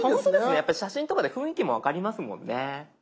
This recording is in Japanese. やっぱり写真とかで雰囲気も分かりますもんね。